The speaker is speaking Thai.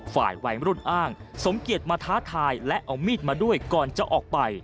ฝ่ายวัยมรุ่นอ้างสมเกียจมาท้าทายและเอามีดมาด้วยก่อนจะออกไป